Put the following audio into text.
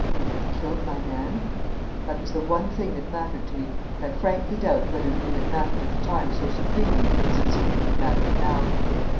Had I killed my man? That was the one thing that mattered to me, and I frankly doubt whether even it mattered at the time so supremely as it seemed to have mattered now.